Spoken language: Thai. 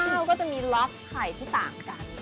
แปลหลักเจ้าก็จะมีล็อคไข่ที่ต่างกัน